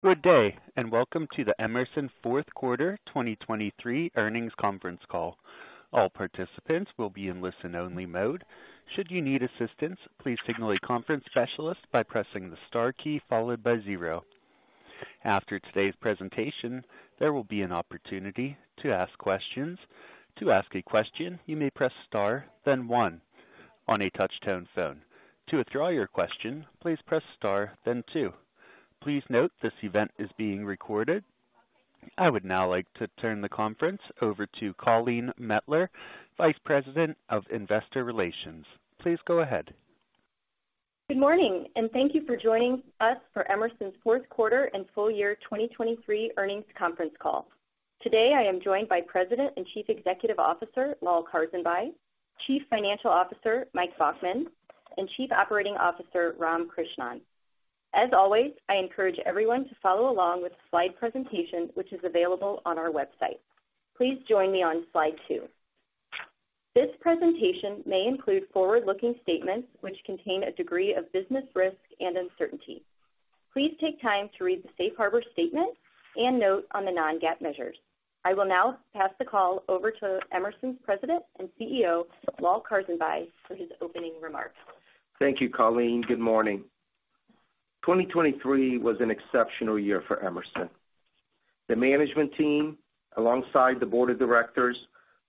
Good day, and welcome to the Emerson Q4 2023 earnings conference call. All participants will be in listen-only mode. Should you need assistance, please signal a conference specialist by pressing the star key followed by zero. After today's presentation, there will be an opportunity to ask questions. To ask a question, you may press Star, then One on a touchtone phone. To withdraw your question, please press Star, then Two. Please note, this event is being recorded. I would now like to turn the conference over to Colleen Mettler, Vice President of Investor Relations. Please go ahead. Good morning, and thank you for joining us for Emerson's Q4 and full year 2023 earnings conference call. Today, I am joined by President and Chief Executive Officer, Lal Karsanbhai, Chief Financial Officer, Mike Baughman, and Chief Operating Officer, Ram Krishnan. As always, I encourage everyone to follow along with the slide presentation, which is available on our website. Please join me on slide 2. This presentation may include forward-looking statements which contain a degree of business risk and uncertainty. Please take time to read the safe harbor statement and note on the non-GAAP measures. I will now pass the call over to Emerson's President and CEO, Lal Karsanbhai, for his opening remarks. Thank you, Colleen. Good morning. 2023 was an exceptional year for Emerson. The management team, alongside the board of directors,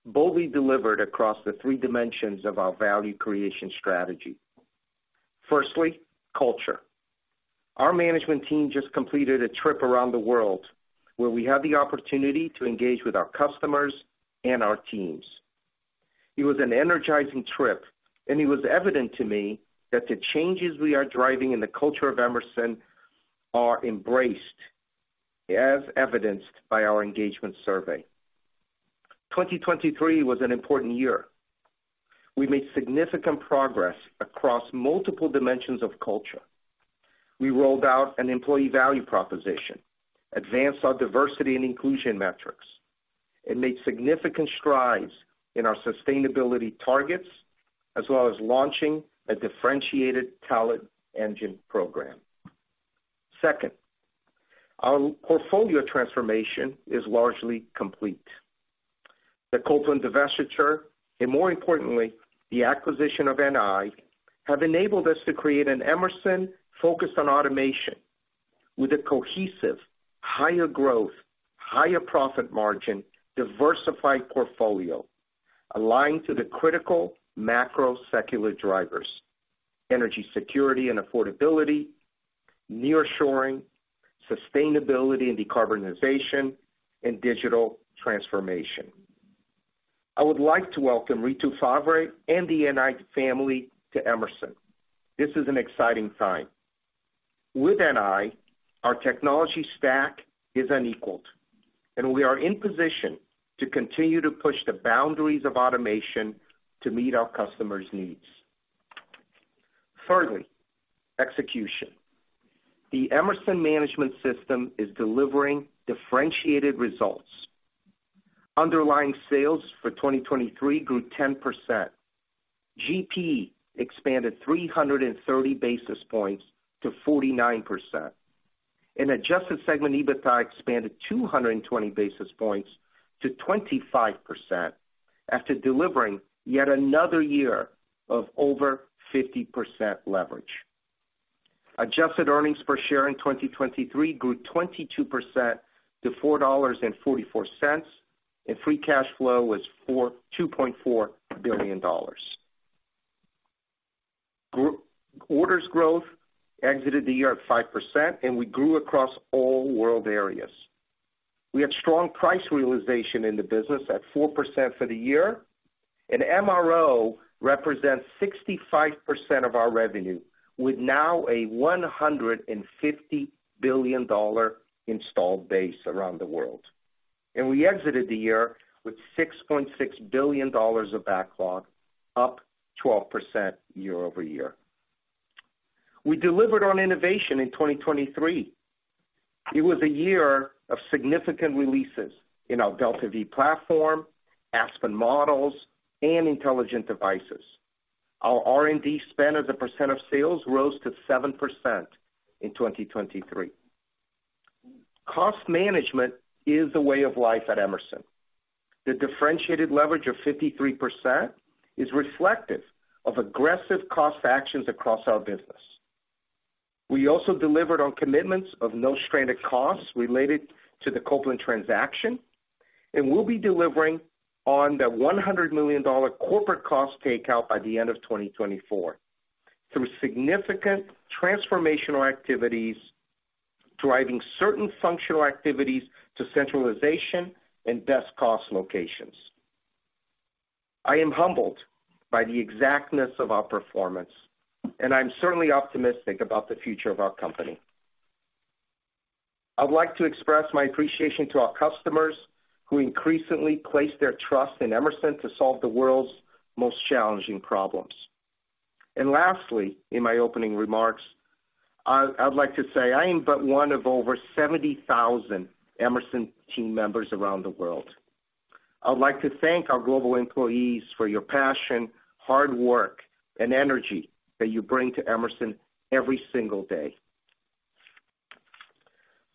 boldly delivered across the three dimensions of our value creation strategy. Firstly, culture. Our management team just completed a trip around the world where we had the opportunity to engage with our customers and our teams. It was an energizing trip, and it was evident to me that the changes we are driving in the culture of Emerson are embraced, as evidenced by our engagement survey. 2023 was an important year. We made significant progress across multiple dimensions of culture. We rolled out an employee value proposition, advanced our diversity and inclusion metrics, and made significant strides in our sustainability targets, as well as launching a differentiated talent engine program. Second, our portfolio transformation is largely complete. The Copeland divestiture, and more importantly, the acquisition of NI, have enabled us to create an Emerson focused on automation with a cohesive, higher growth, higher profit margin, diversified portfolio, aligned to the critical macro secular drivers: energy security and affordability, nearshoring, sustainability and decarbonization, and digital transformation. I would like to welcome Ritu Favre and the NI family to Emerson. This is an exciting time. With NI, our technology stack is unequaled, and we are in position to continue to push the boundaries of automation to meet our customers' needs. Thirdly, execution. The Emerson management system is delivering differentiated results. Underlying sales for 2023 grew 10%. GP expanded 330 basis points to 49%, and adjusted segment EBITDA expanded 220 basis points to 25%, after delivering yet another year of over 50% leverage. Adjusted earnings per share in 2023 grew 22% to $4.44, and free cash flow was $2.4 billion. Gross orders growth exited the year at 5%, and we grew across all world areas. We have strong price realization in the business at 4% for the year, and MRO represents 65% of our revenue, with now a $150 billion installed base around the world. We exited the year with $6.6 billion of backlog, up 12% year-over-year. We delivered on innovation in 2023. It was a year of significant releases in our DeltaV platform, Aspen models, and intelligent devices. Our R&D spend as a percent of sales rose to 7% in 2023. Cost management is the way of life at Emerson. The differentiated leverage of 53% is reflective of aggressive cost actions across our business. We also delivered on commitments of no stranded costs related to the Copeland transaction, and we'll be delivering on the $100 million corporate cost takeout by the end of 2024, through significant transformational activities, driving certain functional activities to centralization and best cost locations. I am humbled by the exactness of our performance, and I'm certainly optimistic about the future of our company. I'd like to express my appreciation to our customers, who increasingly place their trust in Emerson to solve the world's most challenging problems. And lastly, in my opening remarks, I, I'd like to say I am but one of over 70,000 Emerson team members around the world. I would like to thank our global employees for your passion, hard work, and energy that you bring to Emerson every single day.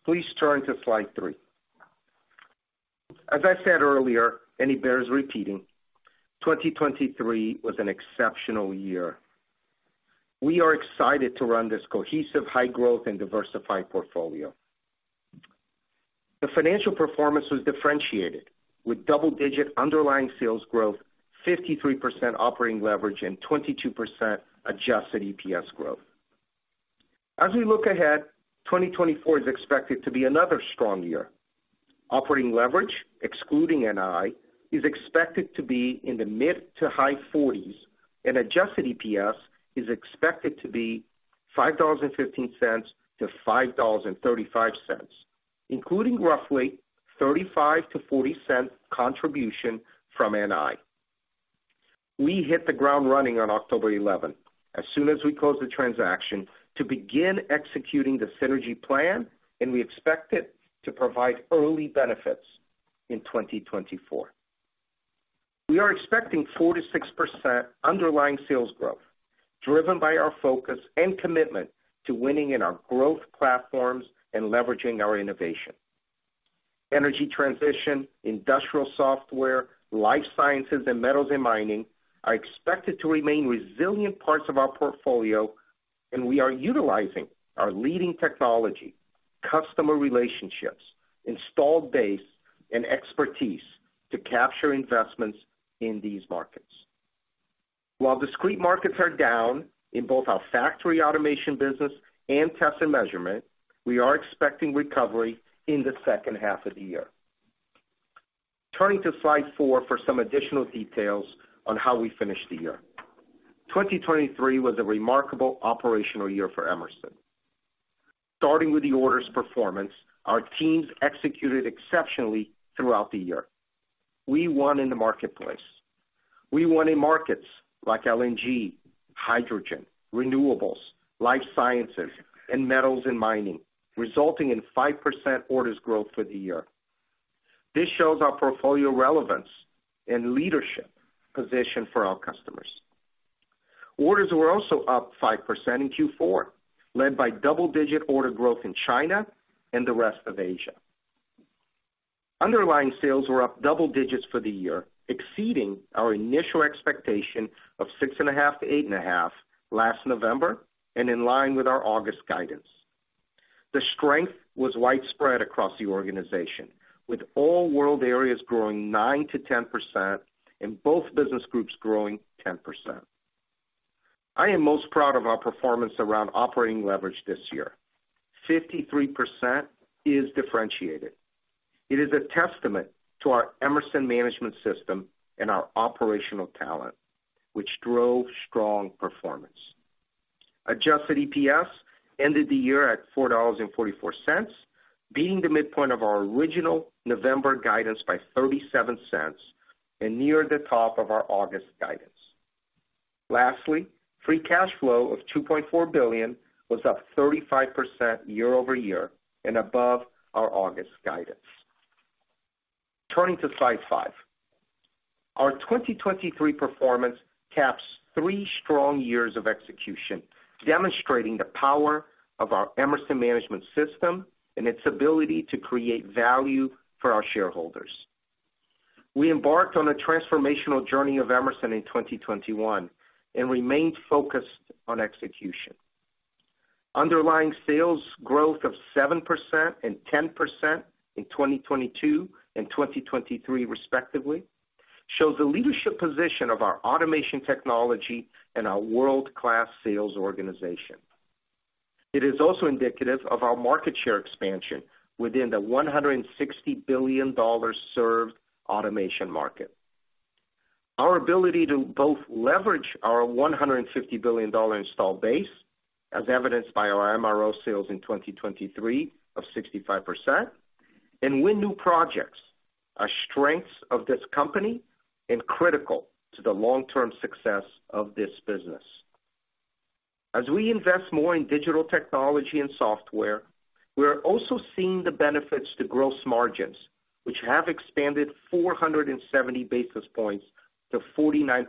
Please turn to slide 3. As I said earlier, and it bears repeating, 2023 was an exceptional year. We are excited to run this cohesive, high growth, and diversified portfolio. The financial performance was differentiated, with double-digit underlying sales growth, 53% operating leverage, and 22% adjusted EPS growth. As we look ahead, 2024 is expected to be another strong year. Operating leverage, excluding NI, is expected to be in the mid- to high 40s, and adjusted EPS is expected to be $5.15-$5.35, including roughly $0.35-$0.40 contribution from NI. We hit the ground running on October 11, as soon as we closed the transaction, to begin executing the synergy plan, and we expect it to provide early benefits in 2024. We are expecting 4%-6% underlying sales growth, driven by our focus and commitment to winning in our growth platforms and leveraging our innovation. Energy transition, industrial software, life sciences, and metals and mining are expected to remain resilient parts of our portfolio, and we are utilizing our leading technology, customer relationships, installed base, and expertise to capture investments in these markets. While discrete markets are down in both our factory automation business and test and measurement, we are expecting recovery in the second half of the year. Turning to slide 4 for some additional details on how we finished the year. 2023 was a remarkable operational year for Emerson. Starting with the orders performance, our teams executed exceptionally throughout the year. We won in the marketplace. We won in markets like LNG, hydrogen, renewables, life sciences, and metals and mining, resulting in 5% orders growth for the year. This shows our portfolio relevance and leadership position for our customers. Orders were also up 5% in Q4, led by double-digit order growth in China and the rest of Asia. Underlying sales were up double digits for the year, exceeding our initial expectation of 6.5-8.5 last November, and in line with our August guidance. The strength was widespread across the organization, with all world areas growing 9%-10% and both business groups growing 10%. I am most proud of our performance around operating leverage this year. 53% is differentiated. It is a testament to our Emerson management system and our operational talent, which drove strong performance. Adjusted EPS ended the year at $4.44, beating the midpoint of our original November guidance by $0.37 and near the top of our August guidance. Lastly, free cash flow of $2.4 billion was up 35% year-over-year and above our August guidance. Turning to slide 5. Our 2023 performance caps three strong years of execution, demonstrating the power of our Emerson management system and its ability to create value for our shareholders. We embarked on a transformational journey of Emerson in 2021 and remained focused on execution. Underlying sales growth of 7% and 10% in 2022 and 2023, respectively, shows the leadership position of our automation technology and our world-class sales organization. It is also indicative of our market share expansion within the $160 billion served automation market. Our ability to both leverage our $150 billion installed base, as evidenced by our MRO sales in 2023 of 65%, and win new projects, are strengths of this company and critical to the long-term success of this business. As we invest more in digital technology and software, we are also seeing the benefits to gross margins, which have expanded 470 basis points to 49%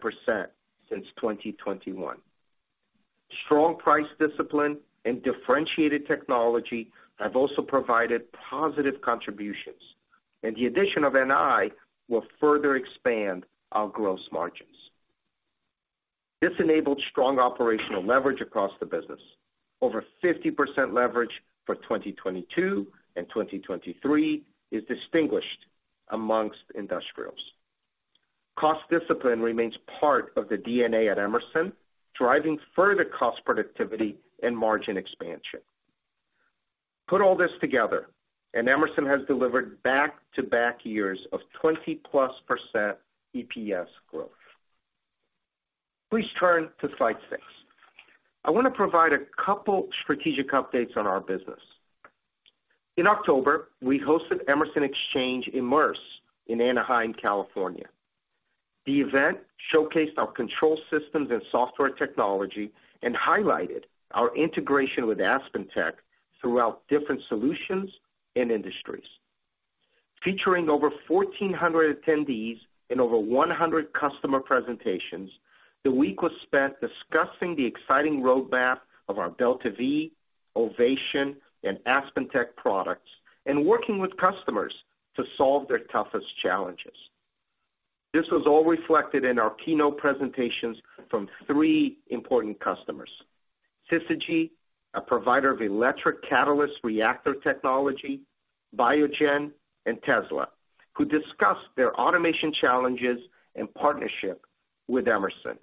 since 2021. Strong price discipline and differentiated technology have also provided positive contributions, and the addition of NI will further expand our gross margins. This enabled strong operational leverage across the business. Over 50% leverage for 2022 and 2023 is distinguished amongst industrials. Cost discipline remains part of the DNA at Emerson, driving further cost productivity and margin expansion. Put all this together, and Emerson has delivered back-to-back years of 20+% EPS growth. Please turn to slide 6. I want to provide a couple strategic updates on our business. In October, we hosted Emerson Exchange Immerse in Anaheim, California. The event showcased our control systems and software technology, and highlighted our integration with AspenTech throughout different solutions and industries. Featuring over 1,400 attendees and over 100 customer presentations, the week was spent discussing the exciting roadmap of our DeltaV, Ovation, and AspenTech products, and working with customers to solve their toughest challenges. This was all reflected in our keynote presentations from three important customers: Syzygy, a provider of electric catalyst reactor technology, Biogen, and Tesla, who discussed their automation challenges and partnership with Emerson.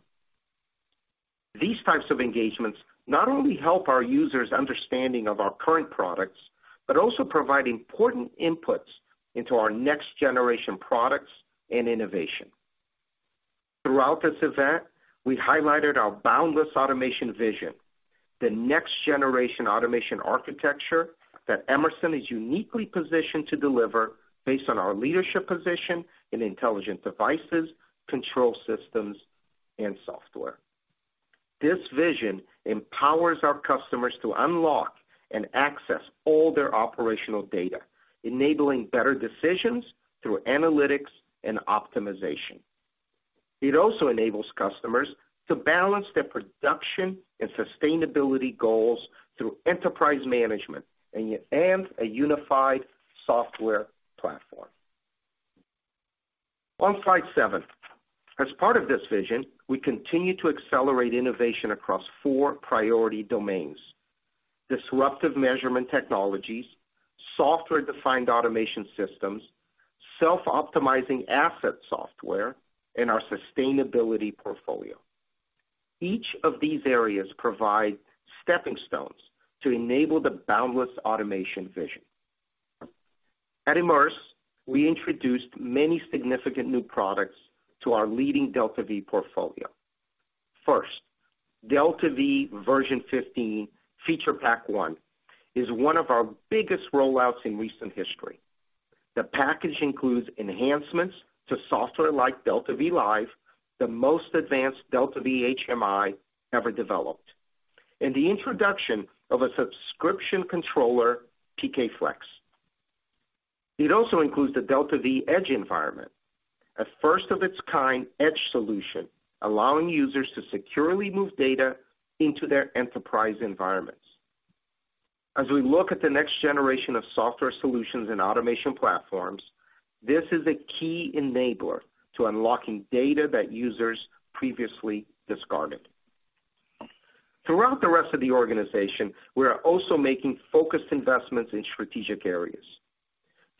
These types of engagements not only help our users' understanding of our current products, but also provide important inputs into our next generation products and innovation. Throughout this event, we highlighted our Boundless Automation vision, the next generation automation architecture that Emerson is uniquely positioned to deliver based on our leadership position in intelligent devices, control systems, and software. This vision empowers our customers to unlock and access all their operational data, enabling better decisions through analytics and optimization. It also enables customers to balance their production and sustainability goals through enterprise management and a unified software platform. On slide seven. As part of this vision, we continue to accelerate innovation across four priority domains: disruptive measurement technologies, software-defined automation systems, self-optimizing asset software, and our sustainability portfolio. Each of these areas provide stepping stones to enable the Boundless Automation vision. At Immerse, we introduced many significant new products to our leading DeltaV portfolio. First, DeltaV version 15, Feature Pack 1, is one of our biggest rollouts in recent history. The package includes enhancements to software like DeltaV Live, the most advanced DeltaV HMI ever developed, and the introduction of a subscription controller, PK Flex. It also includes the DeltaV Edge environment, a first of its kind edge solution, allowing users to securely move data into their enterprise environments. As we look at the next generation of software solutions and automation platforms, this is a key enabler to unlocking data that users previously discarded. Throughout the rest of the organization, we are also making focused investments in strategic areas.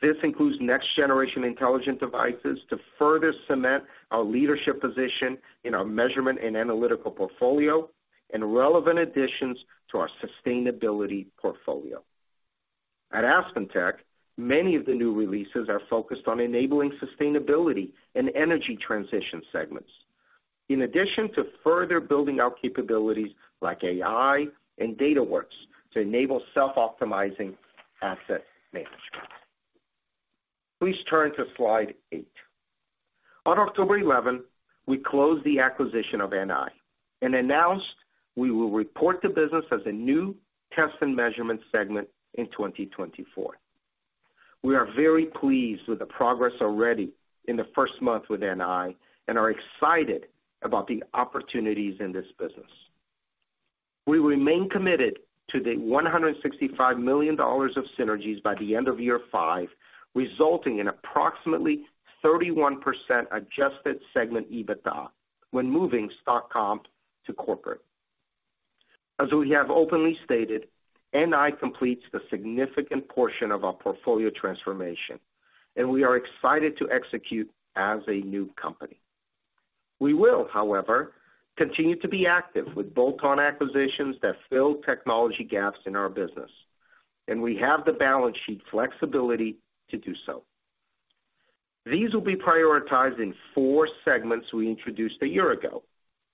This includes next generation intelligent devices to further cement our leadership position in our measurement and analytical portfolio, and relevant additions to our sustainability portfolio. At AspenTech, many of the new releases are focused on enabling sustainability and energy transition segments, in addition to further building our capabilities, like AI and DataWorks, to enable self-optimizing asset management. Please turn to slide 8. On October 11, we closed the acquisition of NI and announced we will report the business as a new test and measurement segment in 2024. We are very pleased with the progress already in the first month with NI and are excited about the opportunities in this business. We remain committed to the $165 million of synergies by the end of year 5, resulting in approximately 31% adjusted segment EBITDA when moving stock comp to corporate. As we have openly stated, NI completes the significant portion of our portfolio transformation, and we are excited to execute as a new company. We will, however, continue to be active with bolt-on acquisitions that fill technology gaps in our business, and we have the balance sheet flexibility to do so. These will be prioritized in four segments we introduced a year ago: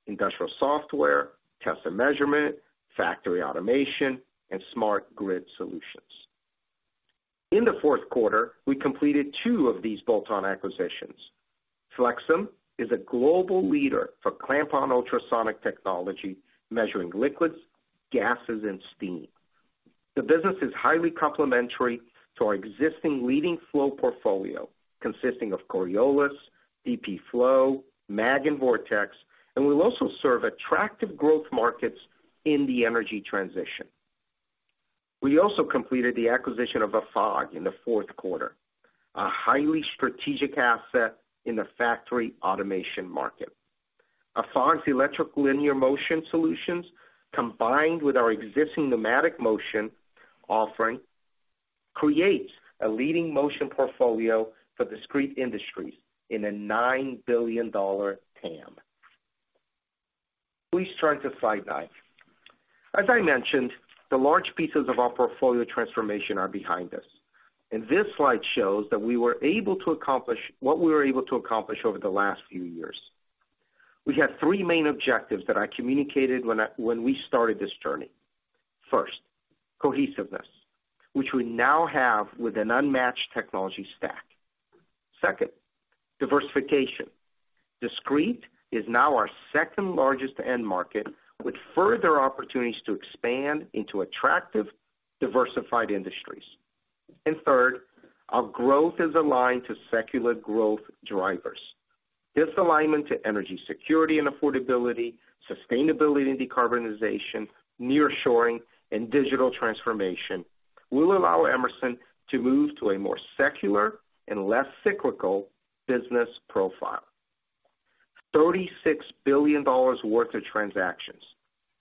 industrial software, test and measurement, factory automation, and smart grid solutions. In the Q4, we completed two of these bolt-on acquisitions. Flexim is a global leader for clamp-on ultrasonic technology, measuring liquids, gases, and steam. The business is highly complementary to our existing leading flow portfolio, consisting of Coriolis, DP Flow, Mag, and Vortex, and will also serve attractive growth markets in the energy transition. We also completed the acquisition of Afag in the Q4, a highly strategic asset in the factory automation market. Afag's electric linear motion solutions, combined with our existing pneumatic motion offering, creates a leading motion portfolio for discrete industries in a $9 billion TAM. Please turn to slide 9. As I mentioned, the large pieces of our portfolio transformation are behind us, and this slide shows that we were able to accomplish what we were able to accomplish over the last few years. We had 3 main objectives that I communicated when we started this journey. First, cohesiveness, which we now have with an unmatched technology stack. Second, diversification. Discrete is now our second largest end market, with further opportunities to expand into attractive, diversified industries. And third, our growth is aligned to secular growth drivers. This alignment to energy security and affordability, sustainability and decarbonization, nearshoring, and digital transformation will allow Emerson to move to a more secular and less cyclical business profile. $36 billion worth of transactions,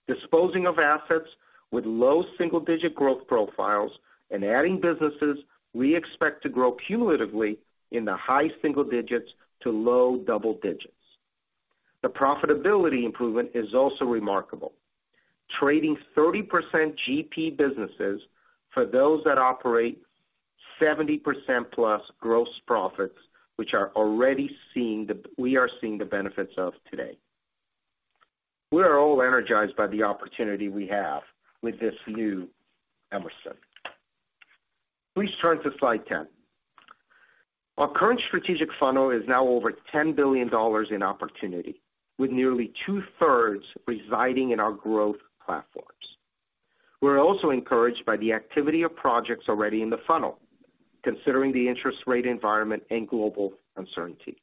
disposing of assets with low single-digit growth profiles and adding businesses we expect to grow cumulatively in the high single digits to low double digits. The profitability improvement is also remarkable. Trading 30% GP businesses for those that operate 70%+ gross profits, which we are already seeing the benefits of today. We are all energized by the opportunity we have with this new Emerson. Please turn to slide 10. Our current strategic funnel is now over $10 billion in opportunity, with nearly two-thirds residing in our growth platforms. We're also encouraged by the activity of projects already in the funnel, considering the interest rate environment and global uncertainty.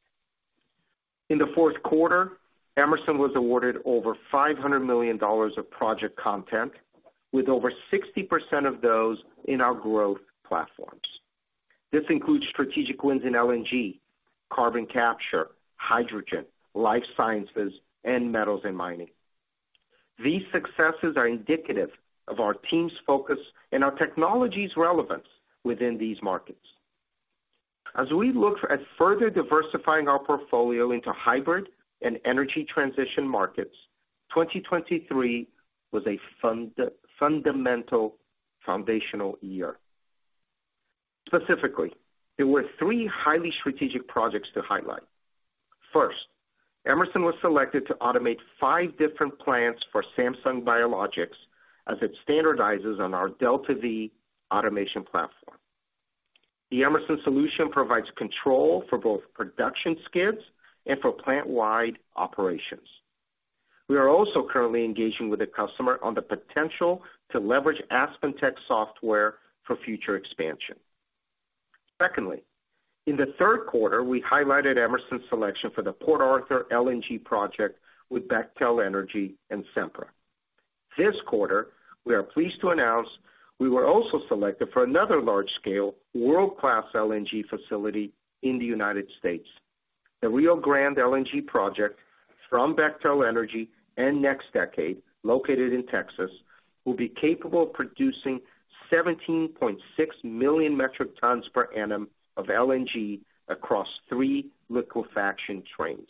In the Q4, Emerson was awarded over $500 million of project content, with over 60% of those in our growth platforms. This includes strategic wins in LNG, carbon capture, hydrogen, life sciences, and metals and mining. These successes are indicative of our team's focus and our technology's relevance within these markets. As we look at further diversifying our portfolio into hybrid and energy transition markets, 2023 was a fundamental foundational year. Specifically, there were three highly strategic projects to highlight. First, Emerson was selected to automate five different plants for Samsung Biologics as it standardizes on our DeltaV automation platform. The Emerson solution provides control for both production skids and for plant-wide operations. We are also currently engaging with the customer on the potential to leverage AspenTech software for future expansion. Secondly, in the Q3, we highlighted Emerson's selection for the Port Arthur LNG project with Bechtel Energy and Sempra. This quarter, we are pleased to announce we were also selected for another large scale, world-class LNG facility in the United States. The Rio Grande LNG project from Bechtel Energy and NextDecade, located in Texas, will be capable of producing 17.6 million metric tons per annum of LNG across three liquefaction trains.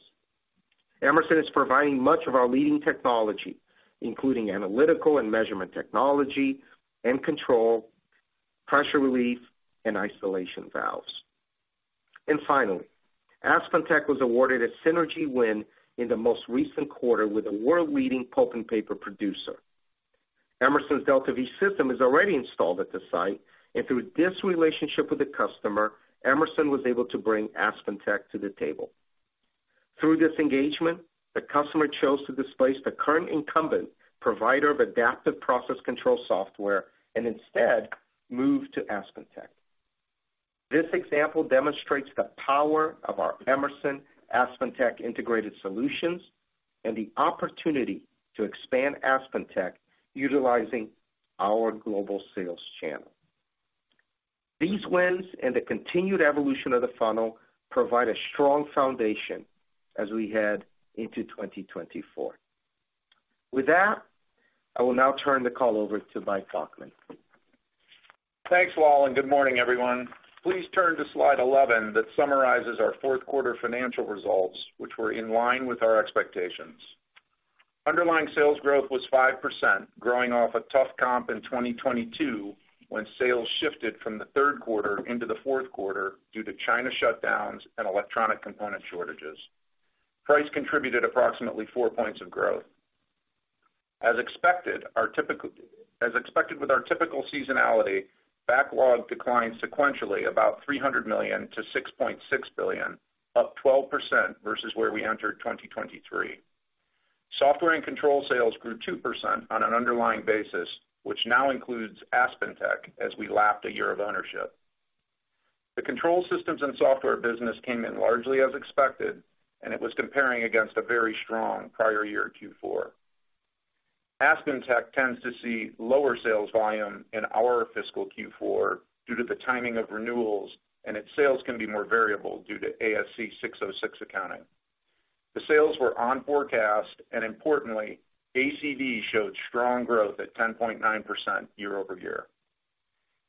Emerson is providing much of our leading technology, including analytical and measurement technology and control, pressure relief, and isolation valves. Finally, AspenTech was awarded a synergy win in the most recent quarter with a world-leading pulp and paper producer. Emerson's DeltaV system is already installed at the site, and through this relationship with the customer, Emerson was able to bring AspenTech to the table. Through this engagement, the customer chose to displace the current incumbent provider of adaptive process control software and instead moved to AspenTech. This example demonstrates the power of our Emerson AspenTech integrated solutions and the opportunity to expand AspenTech utilizing our global sales channel. These wins and the continued evolution of the funnel provide a strong foundation as we head into 2024. With that, I will now turn the call over to Mike Baughman. Thanks, Lal, and good morning, everyone. Please turn to slide 11 that summarizes our Q4 financial results, which were in line with our expectations. Underlying sales growth was 5%, growing off a tough comp in 2022, when sales shifted from the Q3 into the Q4 due to China shutdowns and electronic component shortages. Price contributed approximately 4 points of growth. As expected, with our typical seasonality, backlog declined sequentially, about $300 million to $6.6 billion, up 12% versus where we entered 2023. Software and control sales grew 2% on an underlying basis, which now includes AspenTech as we lapped a year of ownership. The control systems and software business came in largely as expected, and it was comparing against a very strong prior year Q4. AspenTech tends to see lower sales volume in our fiscal Q4 due to the timing of renewals, and its sales can be more variable due to ASC 606 accounting. The sales were on forecast, and importantly, ACV showed strong growth at 10.9% year-over-year.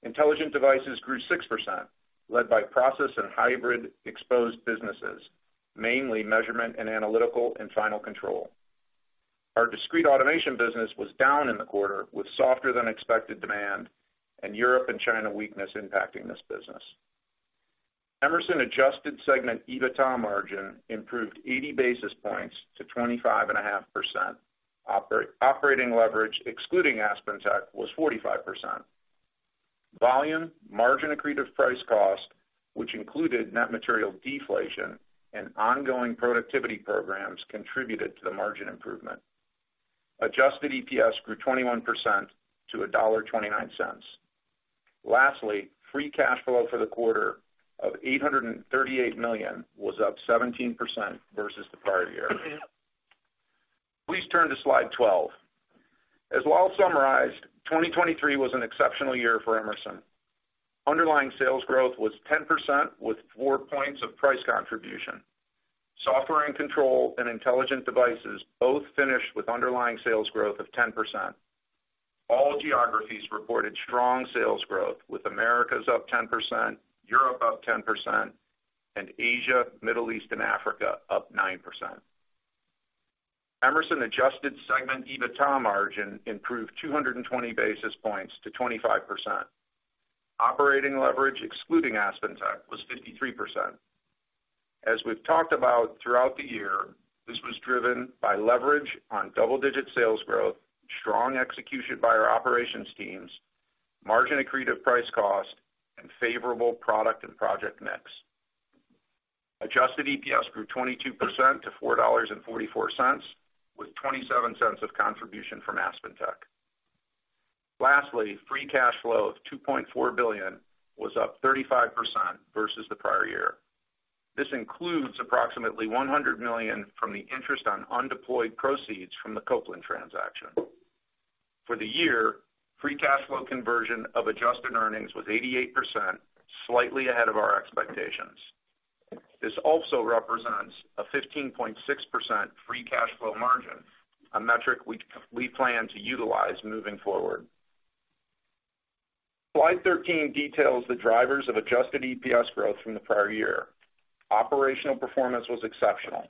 Intelligent devices grew 6%, led by process and hybrid exposed businesses, mainly measurement and analytical and final control. Our discrete automation business was down in the quarter, with softer than expected demand, and Europe and China weakness impacting this business. Emerson adjusted segment EBITDA margin improved 80 basis points to 25.5%. Operating leverage, excluding AspenTech, was 45%. Volume, margin accretive price cost, which included net material deflation and ongoing productivity programs, contributed to the margin improvement. Adjusted EPS grew 21% to $1.29. Lastly, free cash flow for the quarter of $838 million was up 17% versus the prior year. Please turn to slide 12. As well summarized, 2023 was an exceptional year for Emerson. Underlying sales growth was 10% with 4 points of price contribution. Software and control and intelligent devices both finished with underlying sales growth of 10%. All geographies reported strong sales growth, with Americas up 10%, Europe up 10%, and Asia, Middle East, and Africa up 9%. Emerson adjusted segment EBITDA margin improved 220 basis points to 25%. Operating leverage, excluding AspenTech, was 53%. As we've talked about throughout the year, this was driven by leverage on double-digit sales growth, strong execution by our operations teams, margin accretive price cost, and favorable product and project mix. Adjusted EPS grew 22% to $4.44, with $0.27 of contribution from AspenTech. Lastly, free cash flow of $2.4 billion was up 35% versus the prior year. This includes approximately $100 million from the interest on undeployed proceeds from the Copeland transaction. For the year, free cash flow conversion of adjusted earnings was 88%, slightly ahead of our expectations. This also represents a 15.6% free cash flow margin, a metric we plan to utilize moving forward. Slide 13 details the drivers of adjusted EPS growth from the prior year. Operational performance was exceptional.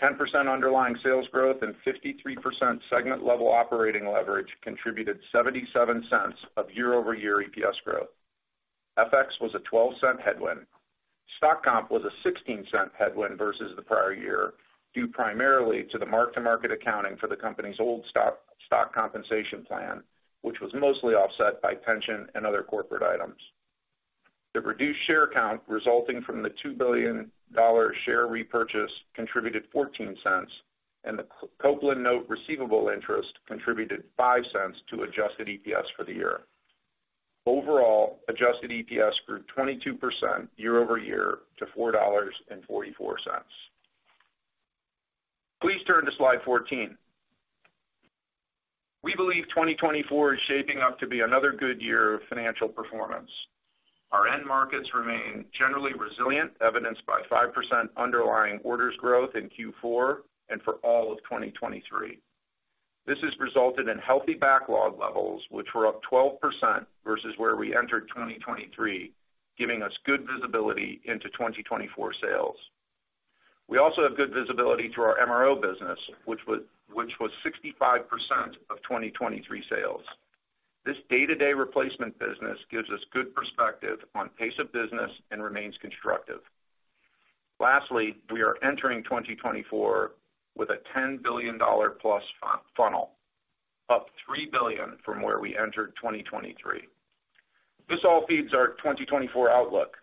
10% underlying sales growth and 53% segment-level operating leverage contributed $0.77 of year-over-year EPS growth. FX was a $0.12 headwind. Stock comp was a 16-cent headwind versus the prior year, due primarily to the mark-to-market accounting for the company's old stock compensation plan, which was mostly offset by pension and other corporate items. The reduced share count, resulting from the $2 billion share repurchase, contributed 14 cents, and the Copeland note receivable interest contributed 5 cents to adjusted EPS for the year. Overall, adjusted EPS grew 22% year-over-year to $4.44. Please turn to slide 14. We believe 2024 is shaping up to be another good year of financial performance. Our end markets remain generally resilient, evidenced by 5% underlying orders growth in Q4 and for all of 2023. This has resulted in healthy backlog levels, which were up 12% versus where we entered 2023, giving us good visibility into 2024 sales. We also have good visibility to our MRO business, which was 65% of 2023 sales. This day-to-day replacement business gives us good perspective on pace of business and remains constructive. Lastly, we are entering 2024 with a $10 billion+ funnel, up $3 billion from where we entered 2023. This all feeds our 2024 outlook.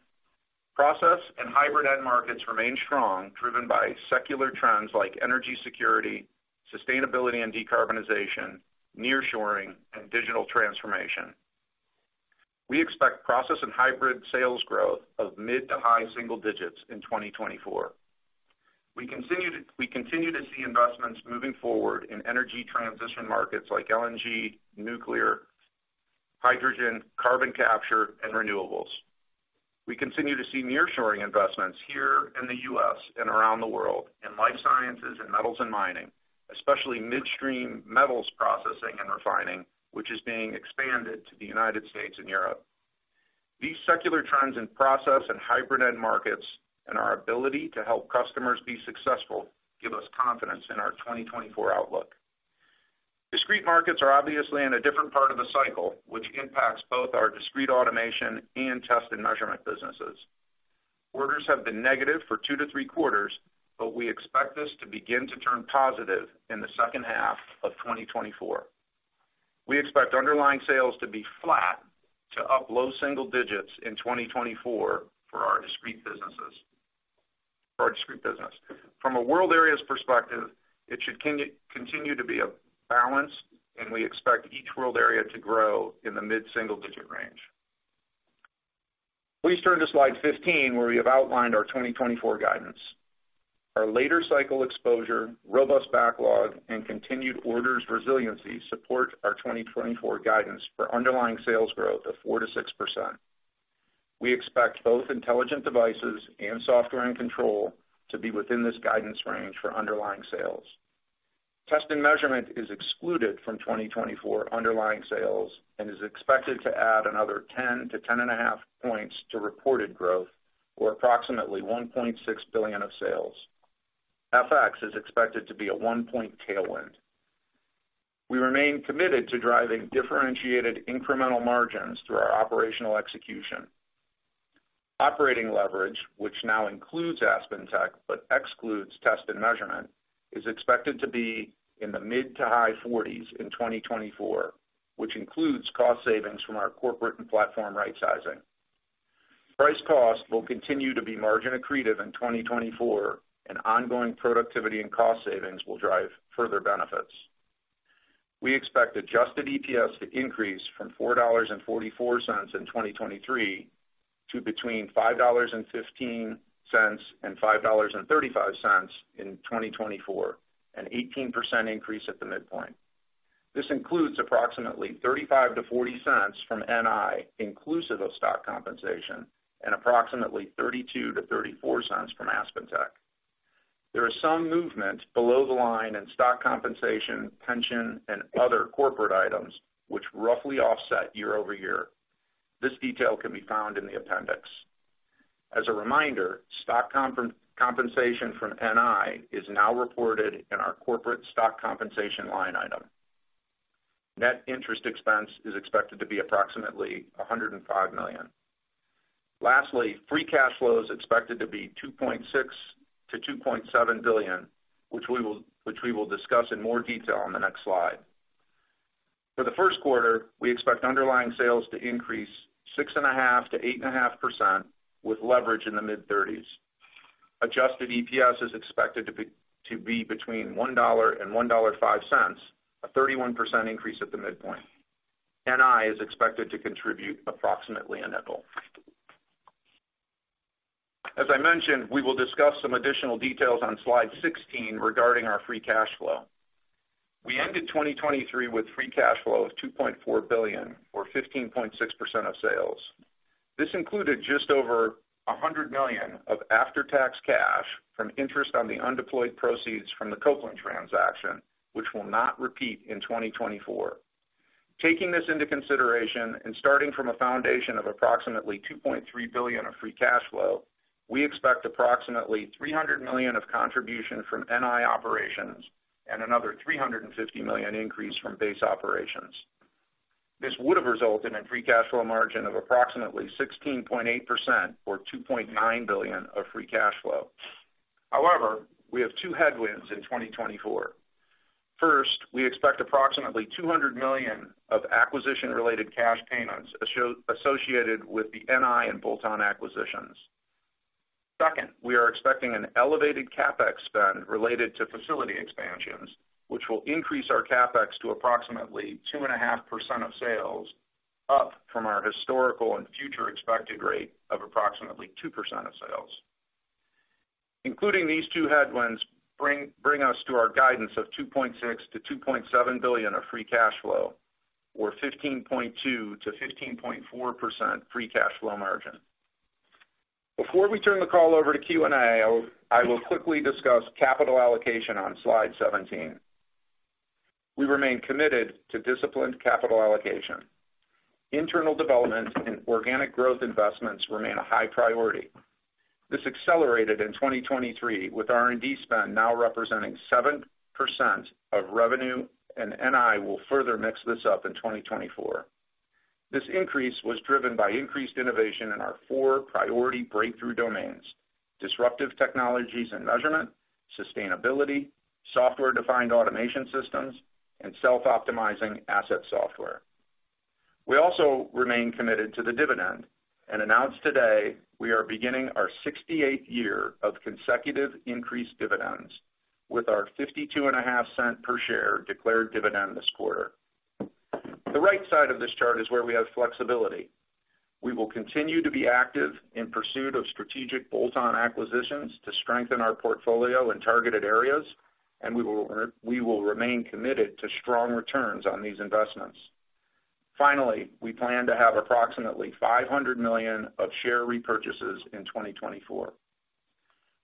Process and hybrid end markets remain strong, driven by secular trends like energy security, sustainability and decarbonization, nearshoring, and digital transformation. We expect process and hybrid sales growth of mid- to high-single digits in 2024. We continue to see investments moving forward in energy transition markets like LNG, nuclear, hydrogen, carbon capture, and renewables. We continue to see nearshoring investments here in the U.S. and around the world, in life sciences and metals and mining, especially midstream metals processing and refining, which is being expanded to the United States and Europe. These secular trends in process and hybrid end markets, and our ability to help customers be successful, give us confidence in our 2024 outlook. Discrete markets are obviously in a different part of the cycle, which impacts both our discrete automation and test and measurement businesses. Orders have been negative for 2-3 quarters, but we expect this to begin to turn positive in the second half of 2024. We expect underlying sales to be flat to up low single digits in 2024 for our discrete businesses - for our discrete business. From a world areas perspective, it should continue to be a balance, and we expect each world area to grow in the mid-single-digit range. Please turn to slide 15, where we have outlined our 2024 guidance. Our later cycle exposure, robust backlog, and continued orders resiliency support our 2024 guidance for underlying sales growth of 4%-6%. We expect both intelligent devices and software and control to be within this guidance range for underlying sales. Test and Measurement is excluded from 2024 underlying sales and is expected to add another 10-10.5 points to reported growth, or approximately $1.6 billion of sales. FX is expected to be a 1-point tailwind. We remain committed to driving differentiated incremental margins through our operational execution. Operating leverage, which now includes AspenTech but excludes test and measurement, is expected to be in the mid- to high 40s in 2024, which includes cost savings from our corporate and platform rightsizing. Price cost will continue to be margin accretive in 2024, and ongoing productivity and cost savings will drive further benefits. We expect adjusted EPS to increase from $4.44 in 2023 to between $5.15 and $5.35 in 2024, an 18% increase at the midpoint. This includes approximately 35-40 cents from NI, inclusive of stock compensation, and approximately 32-34 cents from AspenTech. There is some movement below the line in stock compensation, pension, and other corporate items, which roughly offset year-over-year. This detail can be found in the appendix. As a reminder, stock compensation from NI is now reported in our corporate stock compensation line item. Net interest expense is expected to be approximately $105 million. Lastly, free cash flow is expected to be $2.6 billion-$2.7 billion, which we will, which we will discuss in more detail on the next slide. For the Q1, we expect underlying sales to increase 6.5%-8.5%, with leverage in the mid-30s. Adjusted EPS is expected to be, to be between $1-$1.05, a 31% increase at the midpoint. NI is expected to contribute approximately $0.05. As I mentioned, we will discuss some additional details on slide 16 regarding our free cash flow. We ended 2023 with free cash flow of $2.4 billion, or 15.6% of sales. This included just over $100 million of after-tax cash from interest on the undeployed proceeds from the Copeland transaction, which will not repeat in 2024. Taking this into consideration and starting from a foundation of approximately $2.3 billion of free cash flow, we expect approximately $300 million of contribution from NI operations and another $350 million increase from base operations. This would have resulted in free cash flow margin of approximately 16.8% or $2.9 billion of free cash flow. However, we have two headwinds in 2024. First, we expect approximately $200 million of acquisition-related cash payments associated with the NI and bolt-on acquisitions. Second, we are expecting an elevated CapEx spend related to facility expansions, which will increase our CapEx to approximately 2.5% of sales, up from our historical and future expected rate of approximately 2% of sales. Including these two headwinds bring us to our guidance of $2.6-$2.7 billion of free cash flow, or 15.2%-15.4% free cash flow margin. Before we turn the call over to Q&A, I will quickly discuss capital allocation on slide 17. We remain committed to disciplined capital allocation. Internal development and organic growth investments remain a high priority. This accelerated in 2023, with R&D spend now representing 7% of revenue, and NI will further mix this up in 2024. This increase was driven by increased innovation in our four priority breakthrough domains: disruptive technologies and measurement, sustainability, software-defined automation systems, and self-optimizing asset software. We also remain committed to the dividend and announce today we are beginning our 68th year of consecutive increased dividends with our $0.525 per share declared dividend this quarter. The right side of this chart is where we have flexibility. We will continue to be active in pursuit of strategic bolt-on acquisitions to strengthen our portfolio in targeted areas, and we will, we will remain committed to strong returns on these investments. Finally, we plan to have approximately $500 million of share repurchases in 2024.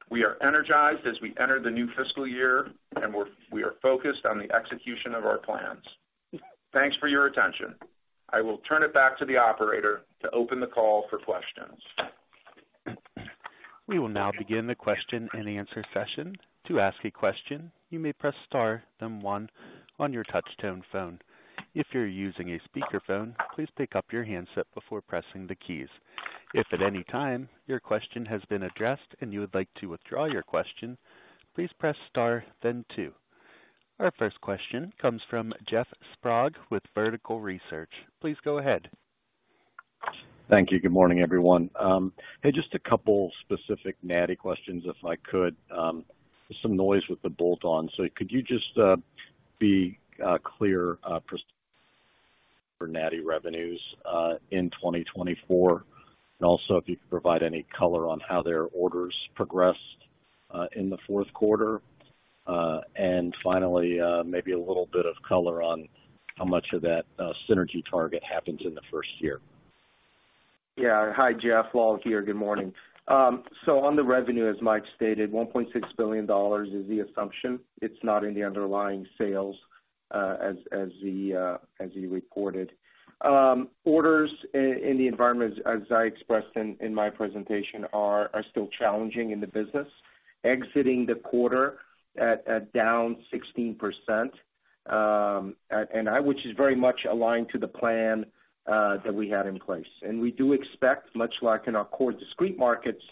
We are energized as we enter the new fiscal year, and we're- we are focused on the execution of our plans. Thanks for your attention. I will turn it back to the operator to open the call for questions. We will now begin the question-and-answer session. To ask a question, you may press star, then one on your touchtone phone. If you're using a speakerphone, please pick up your handset before pressing the keys. If at any time your question has been addressed and you would like to withdraw your question, please press star, then two. Our first question comes from Jeff Sprague with Vertical Research. Please go ahead. Thank you. Good morning, everyone. Hey, just a couple specific NI questions, if I could. Some noise with the bolt-on. So could you just be clear for NI revenues in 2024? And also, if you could provide any color on how their orders progressed in the Q4. And finally, maybe a little bit of color on how much of that synergy target happens in the first year. Yeah. Hi, Jeff. Lal here. Good morning. So on the revenue, as Mike stated, $1.6 billion is the assumption. It's not in the underlying sales, as he reported. Orders in the environment, as I expressed in my presentation, are still challenging in the business, exiting the quarter at down 16%.... and I, which is very much aligned to the plan, that we had in place. And we do expect, much like in our core discrete markets,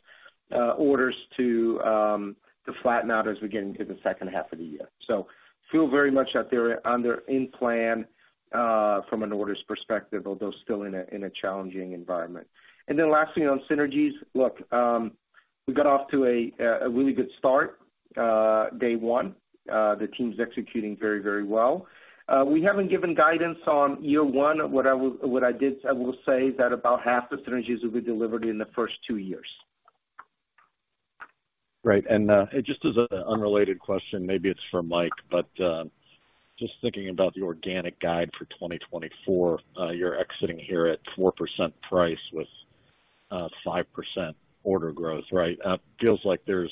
orders to, to flatten out as we get into the second half of the year. So feel very much that they're under in plan, from an orders perspective, although still in a, in a challenging environment. And then lastly, on synergies. Look, we got off to a, a really good start, day one. The team's executing very, very well. We haven't given guidance on year one. What I would- what I did, I will say that about half the synergies will be delivered in the first two years. Great. Just as an unrelated question, maybe it's for Mike, but just thinking about the organic guide for 2024, you're exiting here at 4% price with 5% order growth, right? Feels like there's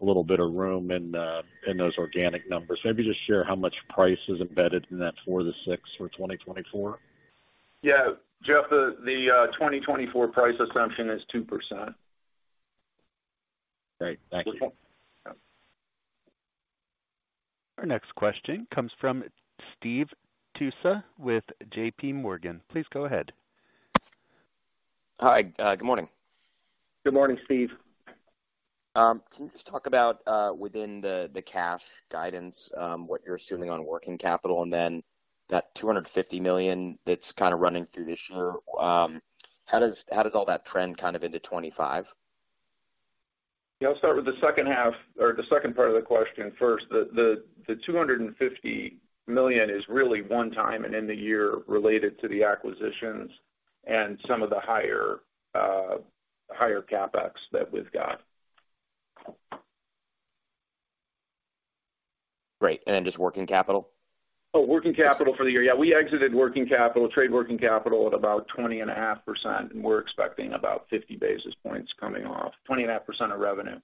a little bit of room in those organic numbers. Maybe just share how much price is embedded in that 4-6 for 2024. Yeah, Jeff, the 2024 price assumption is 2%. Great. Thank you. Yeah. Our next question comes from Steve Tusa with JP Morgan. Please go ahead. Hi, good morning. Good morning, Steve. Can you just talk about, within the cash guidance, what you're assuming on working capital and then that $250 million that's kind of running through this year? How does all that trend kind of into 2025? Yeah, I'll start with the second half or the second part of the question first. The $250 million is really one time and in the year related to the acquisitions and some of the higher CapEx that we've got. Great. And then just working capital? Oh, working capital for the year. Yeah, we exited working capital, trade working capital at about 20.5%, and we're expecting about 50 basis points coming off. 20.5% of revenue.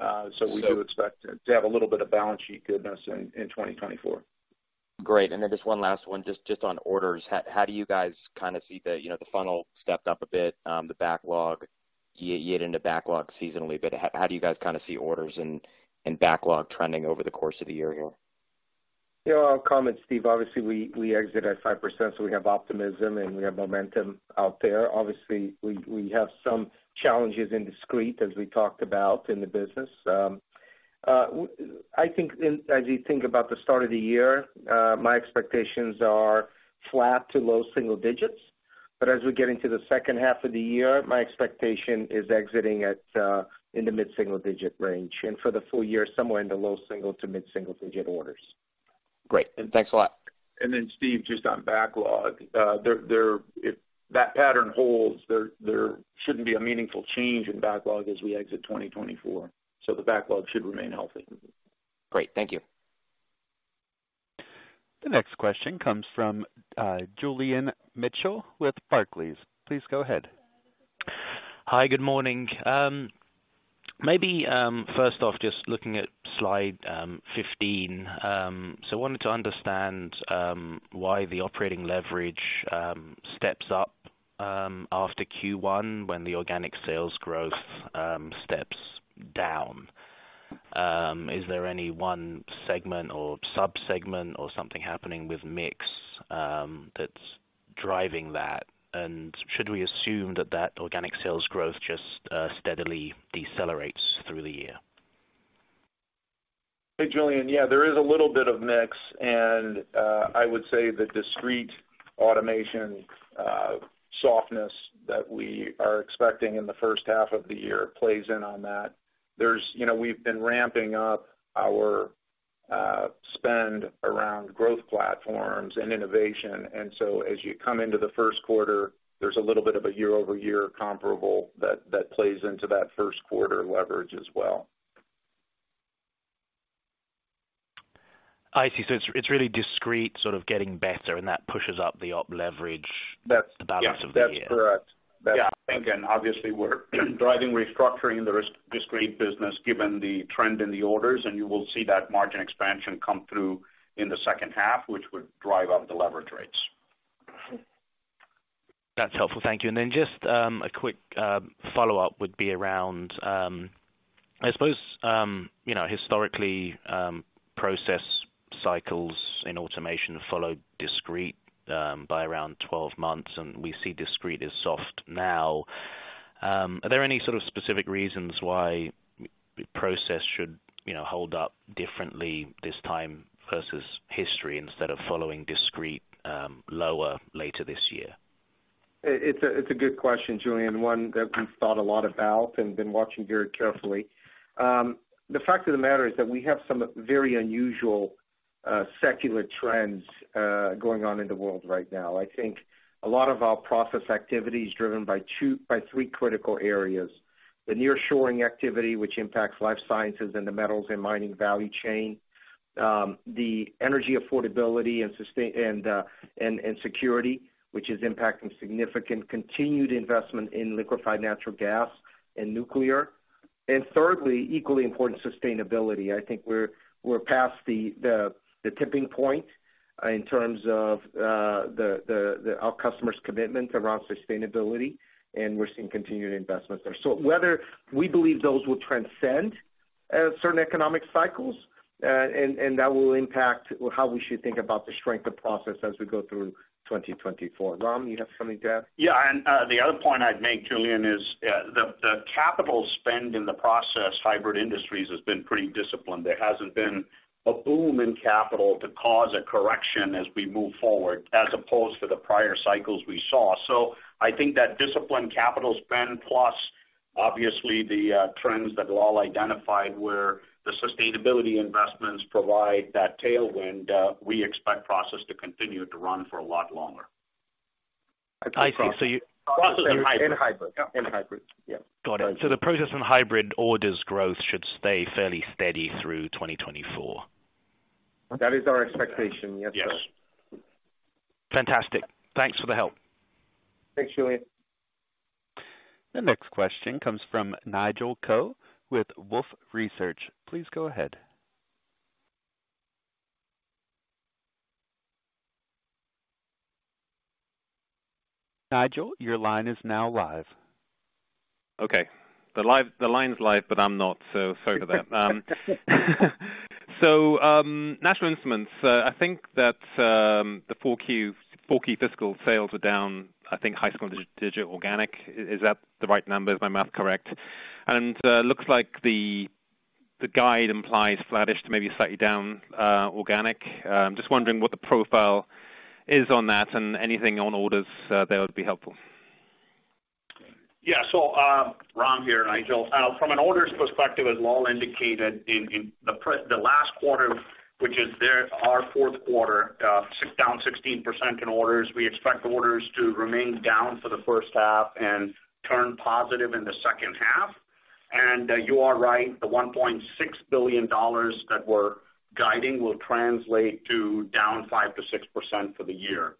So we do expect to have a little bit of balance sheet goodness in 2024. Great. And then just one last one, just, just on orders. How, how do you guys kind of see the, the funnel stepped up a bit, the backlog, year into backlog seasonally, but how, how do you guys kind of see orders and, and backlog trending over the course of the year here? Yeah, I'll comment, Steve. Obviously, we exit at 5%, so we have optimism, and we have momentum out there. Obviously, we have some challenges in discrete, as we talked about in the business. I think as you think about the start of the year, my expectations are flat to low single digits. But as we get into the second half of the year, my expectation is exiting at in the mid-single-digit range, and for the full year, somewhere in the low single to mid-single digit orders. Great. Thanks a lot. And then Steve, just on backlog, if that pattern holds, there shouldn't be a meaningful change in backlog as we exit 2024, so the backlog should remain healthy. Great. Thank you. The next question comes from, Julian Mitchell with Barclays. Please go ahead. Hi, good morning. Maybe, first off, just looking at slide 15, so wanted to understand why the operating leverage steps up after Q1 when the organic sales growth steps down. Is there any one segment or sub-segment or something happening with mix that's driving that? And should we assume that that organic sales growth just steadily decelerates through the year? Hey, Julian. Yeah, there is a little bit of mix, and I would say the Discrete Automation softness that we are expecting in the first half of the year plays in on that. There's, you know, we've been ramping up our spend around growth platforms and innovation, and so as you come into the Q1, there's a little bit of a year-over-year comparable that plays into that Q1 leverage as well. I see. So it's, it's really discrete, sort of getting better, and that pushes up the op leverage- That's- The balance of the year. Yeah, that's correct. Yeah, and obviously, we're driving restructuring in the discrete business, given the trend in the orders, and you will see that margin expansion come through in the second half, which would drive up the leverage rates. That's helpful. Thank you. Then just a quick follow-up would be around, I suppose, you know, historically, process cycles in automation followed discrete by around 12 months, and we see discrete is soft now. Are there any sort of specific reasons why the process should, hold up differently this time versus history instead of following discrete lower later this year? It's a good question, Julian, one that we've thought a lot about and been watching very carefully. The fact of the matter is that we have some very unusual secular trends going on in the world right now. I think a lot of our process activity is driven by three critical areas: the nearshoring activity, which impacts life sciences and the metals and mining value chain, the energy affordability and security, which is impacting significant continued investment in liquefied natural gas and nuclear, and thirdly, equally important, sustainability. I think we're past the tipping point in terms of our customer's commitment around sustainability, and we're seeing continued investments there. So whether we believe those will transcend-... at certain economic cycles, and that will impact how we should think about the strength of process as we go through 2024. Ram, you have something to add? Yeah, and, the other point I'd make, Julian, is, the capital spend in the process hybrid industries has been pretty disciplined. There hasn't been a boom in capital to cause a correction as we move forward, as opposed to the prior cycles we saw. So I think that disciplined capital spend, plus obviously the trends that Lal identified, where the sustainability investments provide that tailwind, we expect process to continue to run for a lot longer. I see. So you- Process and hybrid. And hybrid. Yeah, and hybrid. Yeah. Got it. So the process and hybrid orders growth should stay fairly steady through 2024? That is our expectation. Yes, sir. Yes. Fantastic. Thanks for the help. Thanks, Julian. The next question comes from Nigel Coe with Wolfe Research. Please go ahead. Nigel, your line is now live. Okay. The line's live, but I'm not, so sorry for that. So, National Instruments, I think that the Q4 FY fiscal sales were down, I think, high single-digit organic. Is that the right number? Is my math correct? Looks like the guide implies flattish to maybe slightly down organic. I'm just wondering what the profile is on that and anything on orders there would be helpful. Yeah. So, Ram here, Nigel. From an orders perspective, as Lal indicated in the last quarter, which is their, our Q4, down 16% in orders. We expect orders to remain down for the first half and turn positive in the second half. And you are right, the $1.6 billion that we're guiding will translate to down 5%-6% for the year,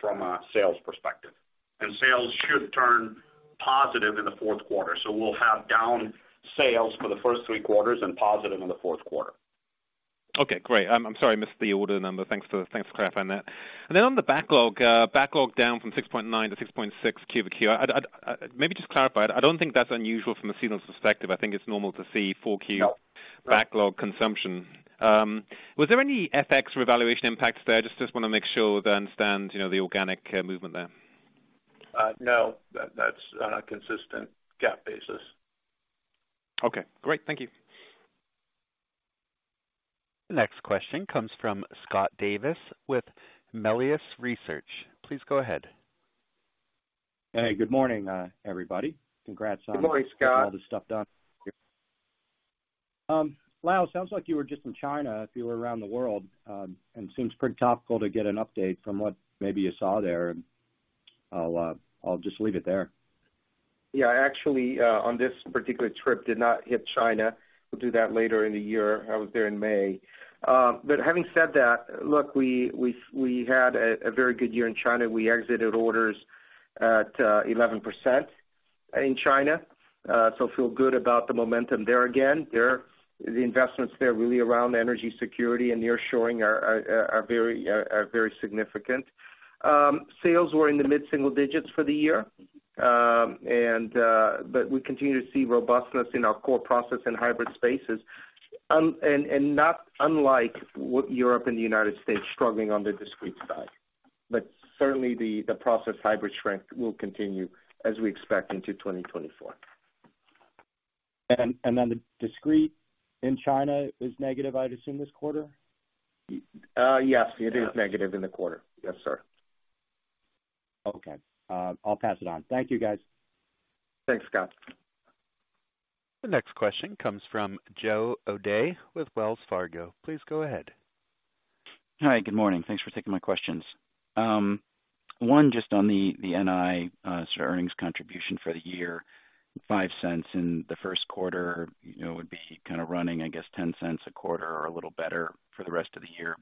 from a sales perspective. And sales should turn positive in the Q4. So we'll have down sales for the first Q3 and positive in the Q4. Okay, great. I'm sorry, I missed the order number. Thanks for, thanks for clarifying that. And then on the backlog, backlog down from 6.9 to 6.6 Q-over-Q. Maybe just clarify it. I don't think that's unusual from a seasonal perspective. I think it's normal to see 4Q- Yeah. - Backlog consumption. Was there any FX revaluation impacts there? I just, just wanna make sure that I understand, the organic movement there. No, that, that's on a consistent GAAP basis. Okay, great. Thank you. The next question comes from Scott Davis with Melius Research. Please go ahead. Hey, good morning, everybody. Congrats on- Good morning, Scott. All the stuff done. Lal, sounds like you were just in China, if you were around the world, and seems pretty topical to get an update from what maybe you saw there, and I'll, I'll just leave it there. Yeah, I actually, on this particular trip, did not hit China. We'll do that later in the year. I was there in May. But having said that, look, we had a very good year in China. We exited orders at 11% in China. So feel good about the momentum there again. There, the investments there, really around energy security and nearshoring are very significant. Sales were in the mid-single digits for the year. And but we continue to see robustness in our core process in hybrid spaces. And not unlike what Europe and the United States struggling on the discrete side, but certainly the process hybrid strength will continue as we expect into 2024. And then the discrete in China is negative, I'd assume, this quarter? Yes, it is negative in the quarter. Yes, sir. Okay. I'll pass it on. Thank you, guys. Thanks, Scott. The next question comes from Joe O'Dea with Wells Fargo. Please go ahead. Hi, good morning. Thanks for taking my questions. One, just on the NI sort of earnings contribution for the year, $0.05 in the Q1, would be kind of running, I guess, $0.10 a quarter or a little better for the rest of the year.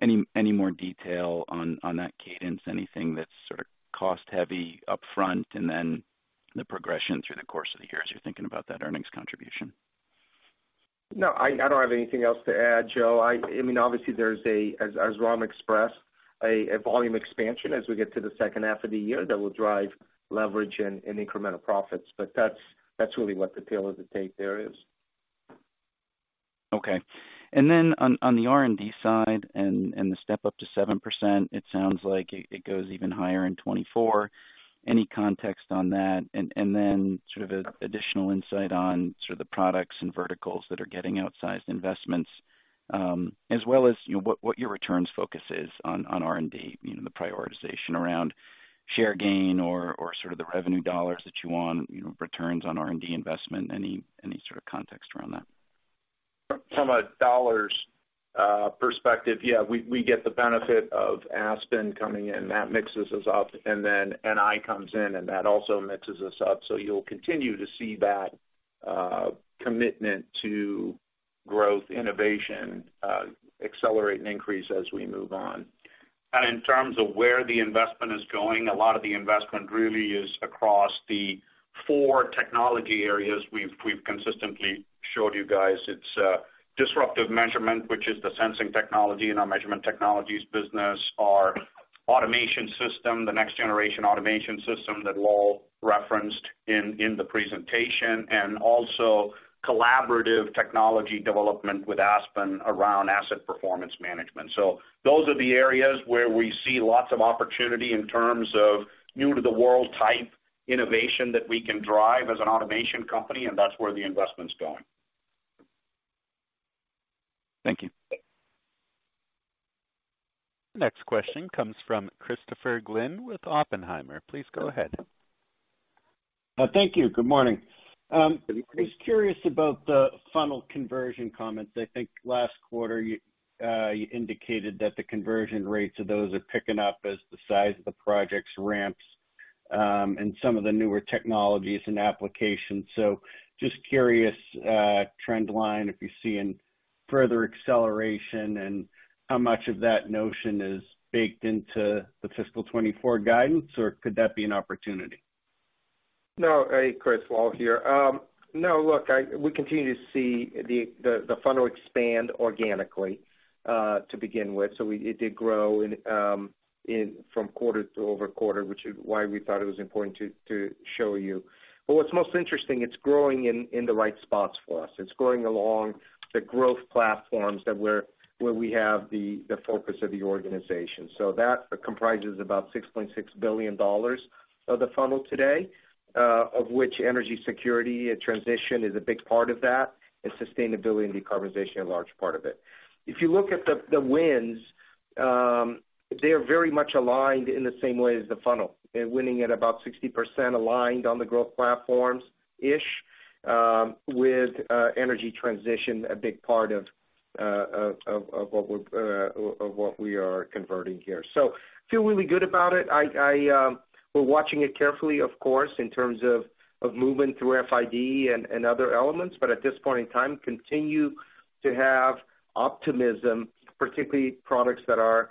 But any more detail on that cadence? Anything that's sort of cost heavy upfront, and then the progression through the course of the year, as you're thinking about that earnings contribution? No, I don't have anything else to add, Joe. I mean, obviously there's a, as Ram expressed, a volume expansion as we get to the second half of the year that will drive leverage and incremental profits, but that's really what the tail of the tape there is. Okay. And then on the R&D side and the step up to 7%, it sounds like it goes even higher in 2024. Any context on that? And then sort of an additional insight on sort of the products and verticals that are getting outsized investments, as well as, what your returns focus is on R&D, the prioritization around share gain or sort of the revenue dollars that you want, returns on R&D investment. Any sort of context around that? From a dollars perspective, yeah, we, we get the benefit of Aspen coming in. That mixes us up, and then NI comes in, and that also mixes us up. So you'll continue to see that commitment to growth, innovation, accelerate and increase as we move on. And in terms of where the investment is going, a lot of the investment really is across the four technology areas we've consistently showed you guys. It's disruptive measurement, which is the sensing technology in our measurement technologies business, automation system, the next generation automation system that Lowell referenced in the presentation, and also collaborative technology development with Aspen around asset performance management. So those are the areas where we see lots of opportunity in terms of new to the world type innovation that we can drive as an automation company, and that's where the investment's going. Thank you. Next question comes from Christopher Glynn with Oppenheimer. Please go ahead. Thank you. Good morning. I was curious about the funnel conversion comments. I think last quarter, you, you indicated that the conversion rates of those are picking up as the size of the projects ramps, and some of the newer technologies and applications. So just curious, trend line, if you're seeing further acceleration, and how much of that notion is baked into the fiscal 2024 guidance, or could that be an opportunity? No. Hey, Chris, Lowell here. No, look, we continue to see the funnel expand organically, to begin with. It did grow in from quarter-over-quarter, which is why we thought it was important to show you. But what's most interesting, it's growing in the right spots for us. It's growing along the growth platforms that where we have the focus of the organization. So that comprises about $6.6 billion of the funnel today, of which energy security and transition is a big part of that, and sustainability and decarbonization are a large part of it. If you look at the wins, they are very much aligned in the same way as the funnel. They're winning at about 60%, aligned on the growth platforms, ish, with energy transition, a big part of what we are converting here. So feel really good about it. I we're watching it carefully, of course, in terms of moving through FID and other elements, but at this point in time, continue to have optimism, particularly products that are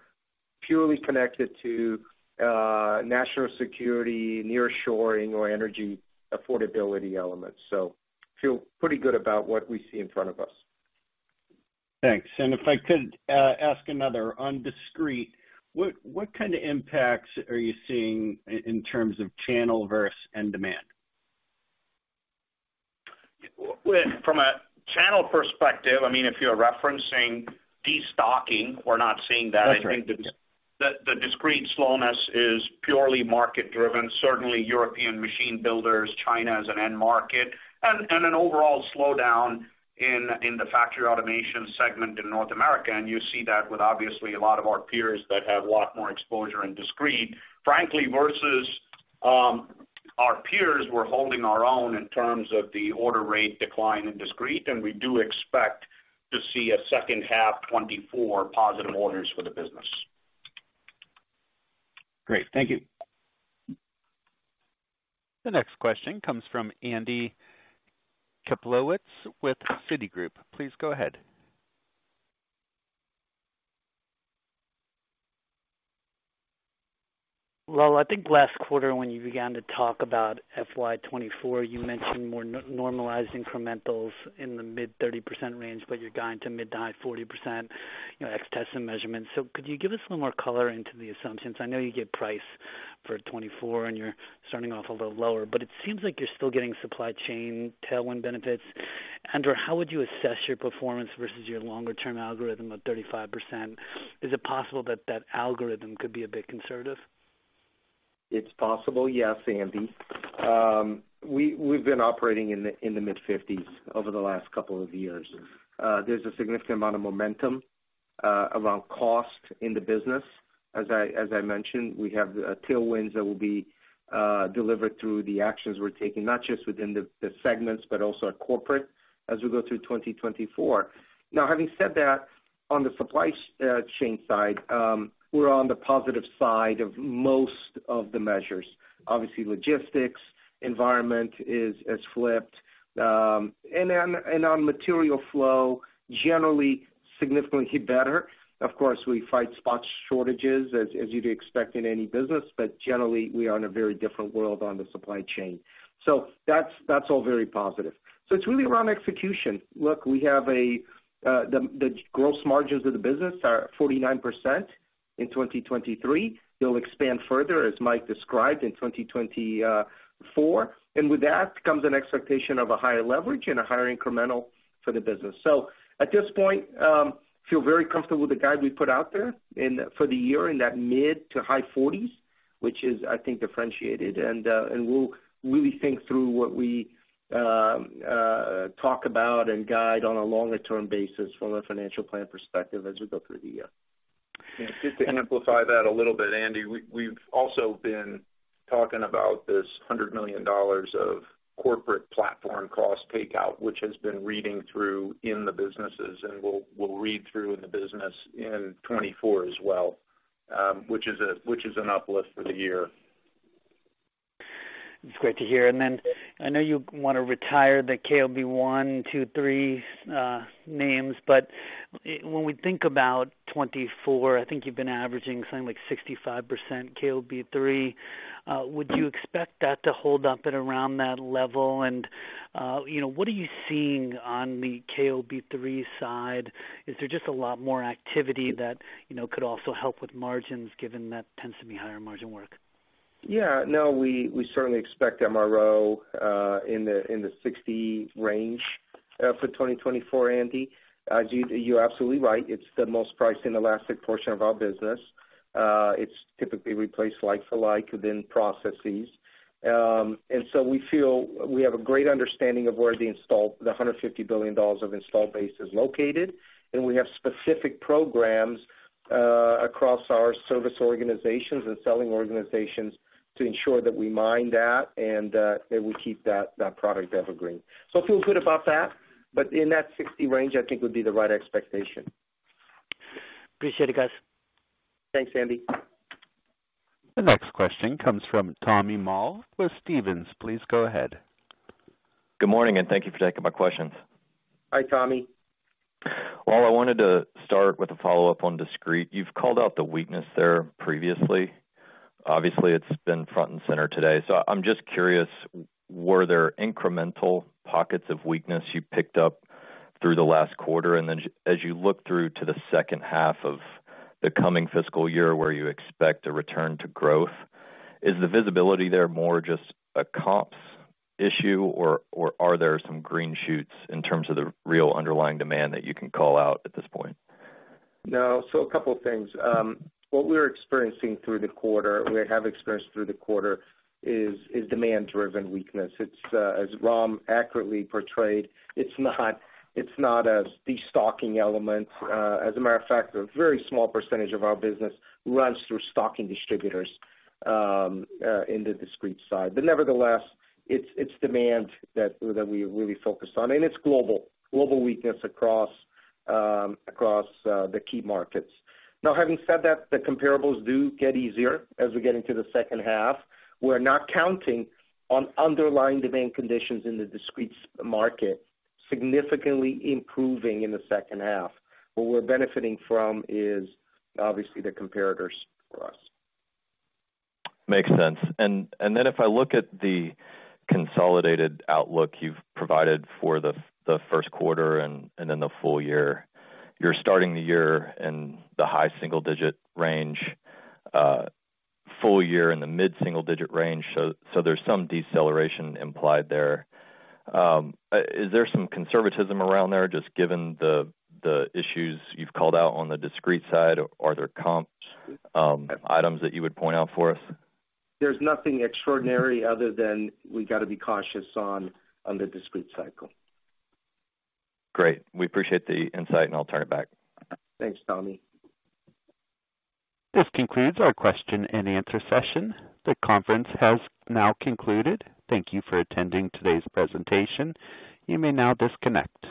purely connected to national security, nearshoring, or energy affordability elements. So feel pretty good about what we see in front of us. Thanks. And if I could ask another. On discrete, what kind of impacts are you seeing in terms of channel versus end demand? From a channel perspective, I mean, if you're referencing destocking, we're not seeing that. That's right. I think the discrete slowness is purely market driven, certainly European machine builders, China as an end market, and an overall slowdown in the factory automation segment in North America. You see that with, obviously, a lot of our peers that have a lot more exposure in discrete. Frankly, versus our peers, we're holding our own in terms of the order rate decline in discrete, and we do expect to see a second half 2024 positive orders for the business. Great. Thank you. The next question comes from Andy Kaplowitz with Citigroup. Please go ahead. Lowell, I think last quarter, when you began to talk about FY 2024, you mentioned more normalized incrementals in the mid-30% range, but you're guiding to mid- to high 40%, ex Test & Measurements. So could you give us a little more color into the assumptions? I know you give price for 2024, and you're starting off a little lower, but it seems like you're still getting supply chain tailwind benefits. And/or how would you assess your performance versus your longer-term algorithm of 35%? Is it possible that that algorithm could be a bit conservative? It's possible, yes, Andy. We've been operating in the mid-50s over the last couple of years. There's a significant amount of momentum around cost in the business. As I mentioned, we have tailwinds that will be delivered through the actions we're taking, not just within the segments, but also our corporate as we go through 2024. Now, having said that, on the supply chain side, we're on the positive side of most of the measures. Obviously, logistics environment has flipped, and our material flow generally significantly better. Of course, we fight spot shortages, as you'd expect in any business, but generally, we are in a very different world on the supply chain. So that's all very positive. So it's really around execution. Look, we have the gross margins of the business at 49% in 2023. They'll expand further, as Mike described, in 2024, and with that comes an expectation of a higher leverage and a higher incremental for the business. So at this point, feel very comfortable with the guide we put out there in- for the year, in that mid- to high 40s%, which is, I think, differentiated. And we'll really think through what we talk about and guide on a longer-term basis from a financial plan perspective as we go through the year. Just to amplify that a little bit, Andy, we, we've also been talking about this $100 million of corporate platform cost takeout, which has been reading through in the businesses, and will read through in the business in 2024 as well, which is an uplift for the year. It's great to hear. And then I know you want to retire the KOB 1, 2, 3 names, but when we think about 2024, I think you've been averaging something like 65% KOB 3. Would you expect that to hold up at around that level? And what are you seeing on the KOB 3 side? Is there just a lot more activity that, could also help with margins, given that tends to be higher margin work? Yeah, no, we certainly expect MRO in the 60 range for 2024, Andy. You're absolutely right, it's the most price inelastic portion of our business. It's typically replaced like for like within processes. And so we feel we have a great understanding of where the installed $150 billion of installed base is located, and we have specific programs across our service organizations and selling organizations to ensure that we mine that and that we keep that product evergreen. So I feel good about that, but in that 60 range, I think would be the right expectation. Appreciate it, guys. Thanks, Andy. The next question comes from Tommy Moll with Stephens. Please go ahead. Good morning, and thank you for taking my questions. Hi, Tommy. Well, I wanted to start with a follow-up on discrete. You've called out the weakness there previously. Obviously, it's been front and center today, so I'm just curious, were there incremental pockets of weakness you picked up through the last quarter? And then as you look through to the second half of the coming fiscal year, where you expect a return to growth, is the visibility there more just a comps issue, or, or are there some green shoots in terms of the real underlying demand that you can call out at this point? No, so a couple things. What we're experiencing through the quarter is demand-driven weakness. It's, as Ram accurately portrayed, it's not a destocking element. As a matter of fact, a very small percentage of our business runs through stocking distributors in the discrete side. But nevertheless, it's demand that we really focus on, and it's global weakness across the key markets. Now, having said that, the comparables do get easier as we get into the second half. We're not counting on underlying demand conditions in the discrete market significantly improving in the second half. What we're benefiting from is obviously the comparators for us. Makes sense. Then if I look at the consolidated outlook you've provided for the Q1 and then the full year, you're starting the year in the high single digit range, full year in the mid-single digit range, so there's some deceleration implied there. Is there some conservatism around there, just given the issues you've called out on the discrete side? Are there comps, items that you would point out for us? There's nothing extraordinary other than we got to be cautious on the discrete cycle. Great. We appreciate the insight, and I'll turn it back. Thanks, Tommy. This concludes our question and answer session. The conference has now concluded. Thank you for attending today's presentation. You may now disconnect.